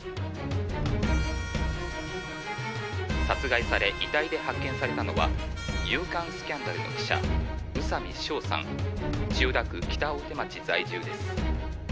「殺害され遺体で発見されたのは『夕刊スキャンダル』の記者宇佐美翔さん」「千代田区北大手町在住です」